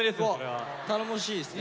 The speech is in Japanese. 頼もしいっすね。